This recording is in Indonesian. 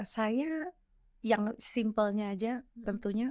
saya yang simpelnya aja tentunya